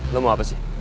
lo mau apa sih